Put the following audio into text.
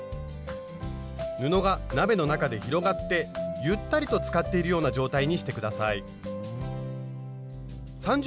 布が鍋の中で広がってゆったりとつかっているような状態にして下さい。